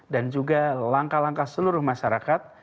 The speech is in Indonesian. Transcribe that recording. dan juga langkah langkah seluruh masyarakat